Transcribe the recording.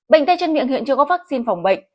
bệnh tay chân miệng hiện chưa có vaccine phòng bệnh